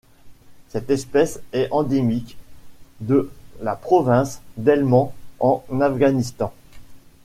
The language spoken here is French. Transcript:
Cette espèce est endémique de la province d'Helmand en Afghanistan.